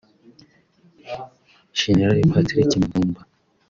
Gen patrick Nyamvumba